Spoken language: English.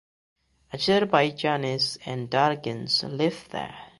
Azerbaijanis and Dargins live there.